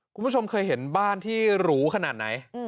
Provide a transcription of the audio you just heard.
คุณผู้ชมเคยเห็นบ้านที่หรูขนาดไหน